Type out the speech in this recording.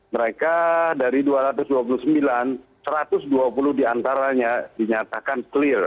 mereka dari dua ratus dua puluh sembilan satu ratus dua puluh diantaranya dinyatakan clear